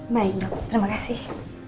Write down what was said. baik dok terima kasih